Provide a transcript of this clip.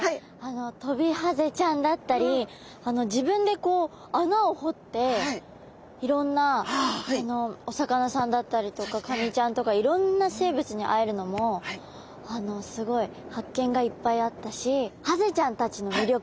トビハゼちゃんだったり自分でこう穴を掘っていろんなお魚さんだったりとかカニちゃんとかいろんな生物に会えるのもすごい発見がいっぱいあったしハゼちゃんたちの魅力ってすごいいっぱい詰まってるんだなと思って。